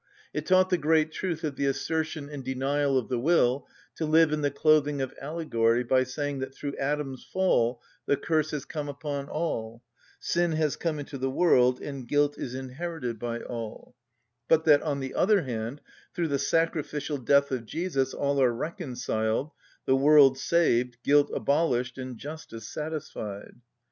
It taught the great truth of the assertion and denial of the will to live in the clothing of allegory by saying that through Adam's fall the curse has come upon all, sin has come into the world, and guilt is inherited by all; but that, on the other hand, through the sacrificial death of Jesus all are reconciled, the world saved, guilt abolished, and justice satisfied.